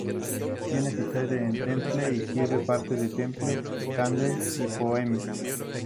Tiene su sede en Tempe, y sirve partes de Tempe, Chandler, y Phoenix.